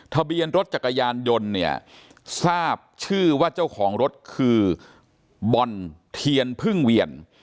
ทะเบียนรถจักรยานยนต์เนี่ยทราบชื่อว่าเจ้าของรถคือบอลเทียนพึ่งเวียน